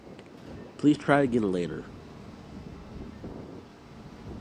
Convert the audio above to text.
Please try again later.